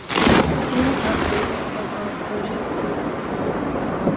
Three poems reveal his love of animals.